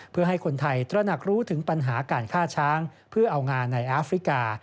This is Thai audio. เพื่อให้คนไทยตระหนักรู้ถึงปัญหาการฆ่าช้างเพื่อเอางานในแอฟริกา